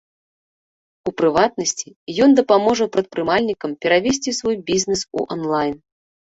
У прыватнасці, ён дапаможа прадпрымальнікам перавесці свой бізнес у онлайн.